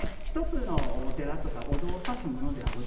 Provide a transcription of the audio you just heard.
１つのお寺とかお堂を指すものではございません。